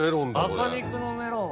赤肉のメロン。